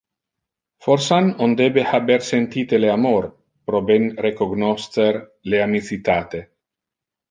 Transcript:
Forsan on debe haber sentite le amor pro ben recognoscer le amicitate.